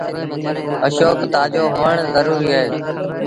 اشوڪ تآجو هوڻ زروريٚ اهي